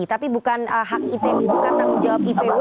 tapi bukan tanggung jawab ipw